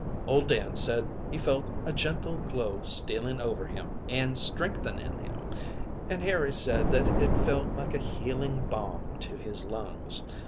Old Dan said he felt a gentle glow stealing over him and strengthening him, and Harry said that it felt like a healing balm to his lungs.